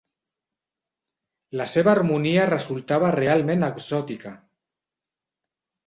La seva harmonia resultava realment exòtica.